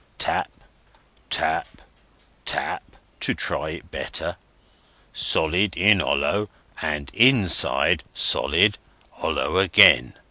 Tap, tap, tap, to try it better. Solid in hollow; and inside solid, hollow again!